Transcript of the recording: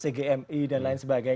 cgmi dan lain sebagainya